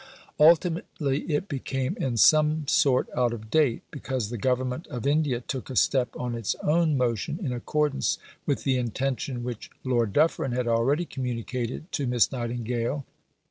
Ultimately it became in some sort out of date, because the Government of India took a step on its own motion, in accordance with the intention which Lord Dufferin had already communicated to Miss Nightingale (p.